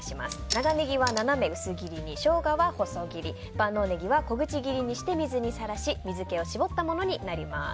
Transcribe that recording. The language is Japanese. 長ネギは斜め薄切りにショウガは細切り万能ネギは小口切りにして水にさらし水気を絞ったものになります。